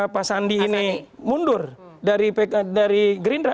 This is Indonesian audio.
pak sandi ini mundur dari gerindra